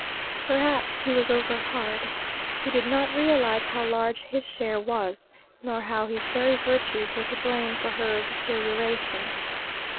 Perhaps he was over hard. He did not realize how large his share was, nor how his very virtues were to blame for her deterioration.